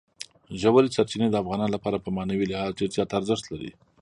ژورې سرچینې د افغانانو لپاره په معنوي لحاظ ډېر زیات ارزښت لري.